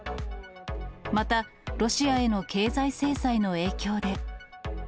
また、ロシアへの経済制裁の影響で。